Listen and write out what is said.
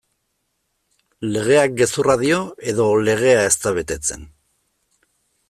Legeak gezurra dio edo legea ez da betetzen?